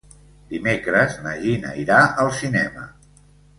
Dimecres na Gina irà al cinema.